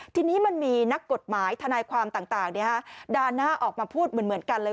ทีนี้มันมีนักกฎหมายทนายความต่างด่านหน้าออกมาพูดเหมือนกันเลย